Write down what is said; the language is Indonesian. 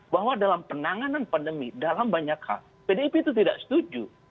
bahwa dalam penanganan pandemi dalam banyak hal pdip itu tidak setuju